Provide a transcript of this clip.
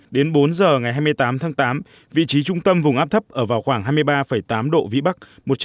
đến bốn giờ ngày hai mươi tám tháng tám vị trí trung tâm vùng áp thấp ở vào khoảng hai mươi ba tám độ vĩ bắc